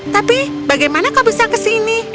tapi bagaimana kau bisa ke sini